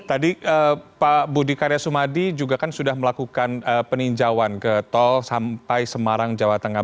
tadi pak budi karya sumadi juga kan sudah melakukan peninjauan ke tol sampai semarang jawa tengah